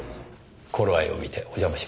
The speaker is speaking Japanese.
頃合いを見てお邪魔します。